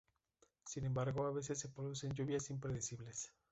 Sin embargo, a veces se producen lluvias impredecibles.